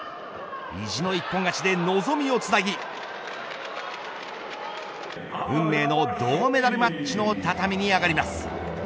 意地の一本勝ちで望みをつなぎ運命の銅メダルマッチの畳に上がります。